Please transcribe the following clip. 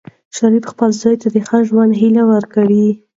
شریف خپل زوی ته د ښه ژوند هیلې ورکوي.